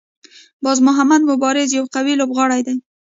باز محمد مبارز یو قوي لوبغاړی دی.